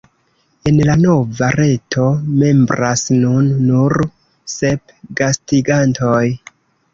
En la nova reto membras nun nur sep gastigantoj.